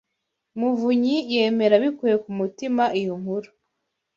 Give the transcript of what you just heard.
muvunyi yemera abikuye ku mutima iyo nkuru.